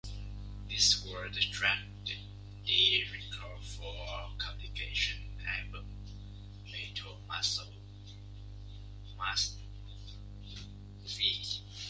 This was the track they recorded for the compilation album "Metal Massacre V".